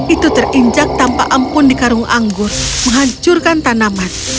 itu terinjak tanpa ampun di karung anggur menghancurkan tanaman